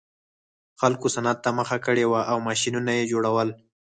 خلکو صنعت ته مخه کړې وه او ماشینونه یې جوړول